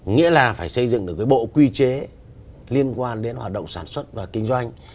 nghĩa là phải xây dựng được cái bộ quy chế liên quan đến hoạt động sản xuất và kinh doanh